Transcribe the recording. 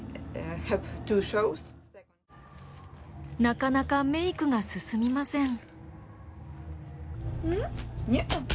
なかなかメイクが進みません。